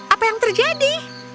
apa yang terjadi